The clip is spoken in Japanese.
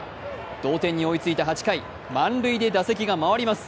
同点に追いついた８回、満塁で打席が回ります。